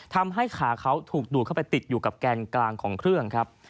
ทำให้ขาเขาถูกดูดเข้าไปติดอยู่กับแกนกลางของเครื่องครับ